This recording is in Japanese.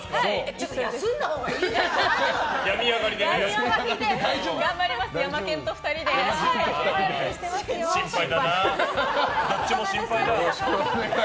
ちょっと休んだほうがいいんじゃない？